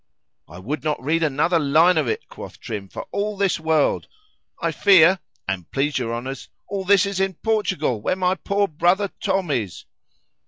[I would not read another line of it, quoth Trim for all this world;—I fear, an' please your Honours, all this is in Portugal, where my poor brother Tom is.